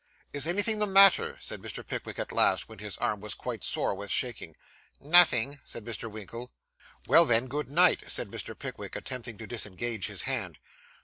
'Is anything the matter?' said Mr. Pickwick at last, when his arm was quite sore with shaking. 'Nothing,' said Mr. Winkle. 'Well then, good night,' said Mr. Pickwick, attempting to disengage his hand.